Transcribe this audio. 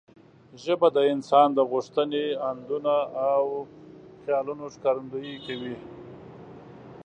ژبه د انسان د غوښتنې، اندونه او خیالونو ښکارندويي کوي.